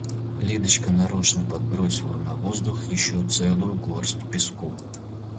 Лидочка нарочно подбросила на воздух ещё целую горсть песку.